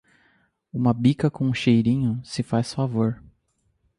Uma bica com cheirinho, se faz favor.